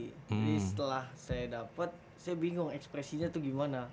jadi setelah saya dapat saya bingung ekspresinya itu gimana